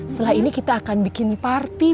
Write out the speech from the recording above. setelah ini kita akan bikin party